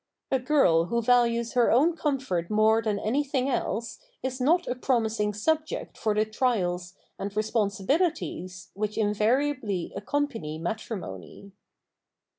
A girl who values her own comfort more than anything else is not a promising subject for the trials and responsibilities which invariably accompany matrimony.